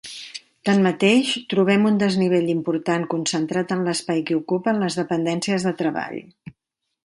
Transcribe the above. Tanmateix trobem un desnivell important concentrat en l'espai que ocupen les dependències de treball.